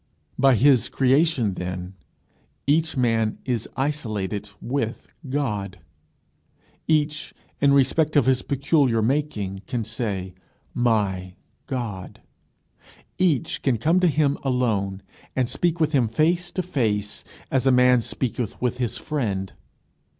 By his creation, then, each man is isolated with God; each, in respect of his peculiar making, can say, "my God;" each can come to him alone, and speak with him face to face, as a man speaketh with his friend.